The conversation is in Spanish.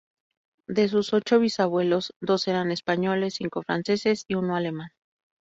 De sus ocho bisabuelos, dos eran españoles, cinco franceses y uno alemán.